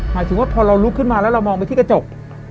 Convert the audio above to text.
หมายถึงว่าพอเราลุกขึ้นมาแล้วเรามองไปที่กระจก